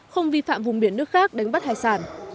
không vi phạm vùng biển nước khác đánh bắt hải sản